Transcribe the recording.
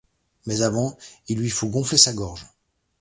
Mais avant il lui faut gonfler sa gorge.